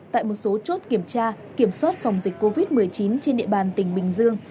tại một số chốt kiểm tra kiểm soát phòng dịch covid một mươi chín trên địa bàn tỉnh bình dương